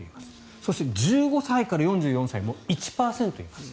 そして、１５歳から４４歳も１％います。